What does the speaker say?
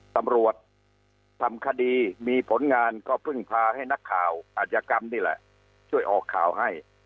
ตำรวจทำคดีมีผลงานก็เพิ่งพาให้นักข่าวอาจยากรรมนี่แหละช่วยออกข่าวให้